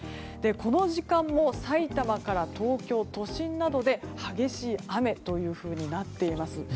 この時間も埼玉から東京都心などで激しい雨となっています。